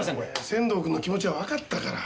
仙堂君の気持ちはわかったから。